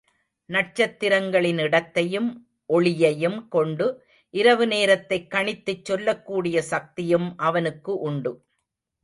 நட்சத்திரங்களின் இடத்தையும் ஒளியையும்கொண்டு, இரவு நேரத்தைக் கணித்துச் சொல்லக் கூடிய சக்தியும் அவனுக்கு உண்டு.